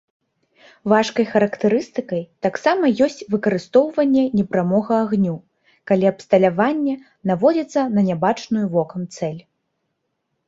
Важкай характарыстыкай таксама ёсць выкарыстоўванне непрамога агню, калі абсталяванне наводзіцца на нябачную вокам цэль.